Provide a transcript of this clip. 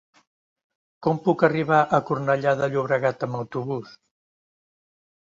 Com puc arribar a Cornellà de Llobregat amb autobús?